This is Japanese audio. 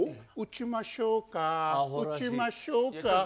撃ちましょうか撃ちましょうか。